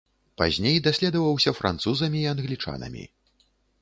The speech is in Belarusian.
Пазней даследаваўся французамі і англічанамі.